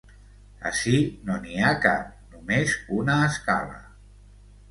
Ací no n'hi ha cap, només una escala!